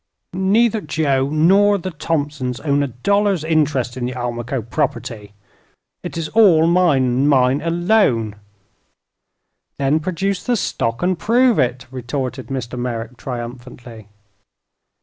"Neither Joe nor the Thompsons own a dollar's interest in the Almaquo property. It is all mine, and mine alone." "Then produce the stock and prove it!" retorted Mr. Merrick, triumphantly.